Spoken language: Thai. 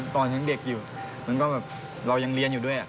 ตอนยังเด็กอยู่มันก็แบบเรายังเรียนอยู่ด้วย